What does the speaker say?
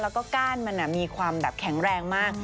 แล้วก็ก้านมันมีความแบบแข็งแรงมาก